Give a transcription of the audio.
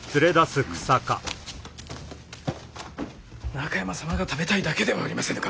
中山様が食べたいだけではありませぬか！